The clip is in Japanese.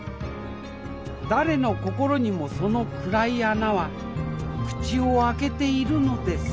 誰の心にもその暗い穴は口を開けているのです